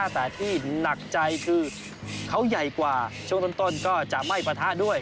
แต่ที่หนักใจคือเขาใหญ่กว่าช่วงต้นก็จะไม่ปะทะด้วย